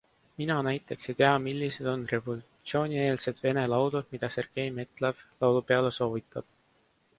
Mina näiteks ei tea, millised on revolutsioonieelsed vene laulud, mida Sergei Metlev laulupeole soovitab.